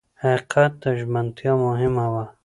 حقیقت ته ژمنتیا مهمه وه.